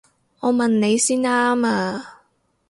我問你先啱啊！